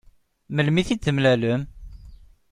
Melmi i t-id-temlalem?